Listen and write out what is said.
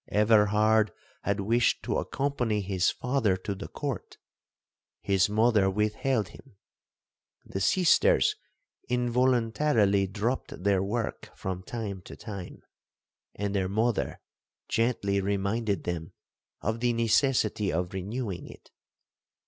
Everhard had wished to accompany his father to the court,—his mother withheld him. The sisters involuntarily dropt their work from time to time, and their mother gently reminded them of the necessity of renewing it.